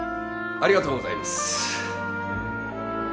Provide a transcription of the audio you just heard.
ありがとうございます。